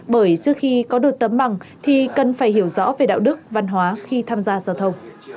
bởi trước khi có được tấm bằng thì cần phải hiểu rõ về đạo đức văn hóa khi tham gia giao thông